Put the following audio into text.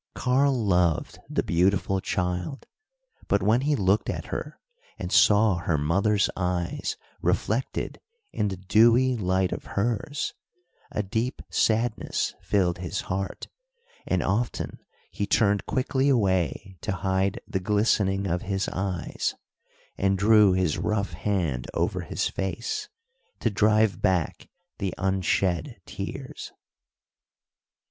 Karl loved the beautiful child; but when he looked at her, and saw her mother's eyes reflected in the dewy light of hers, a deep sadness filled his heart, and often he turned quickly away to hide the glistening of his eyes, and drew his rough hand over his face to drive back the unshed tears.